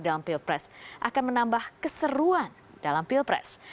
pemimpin pks menambah keseruan dalam pilpres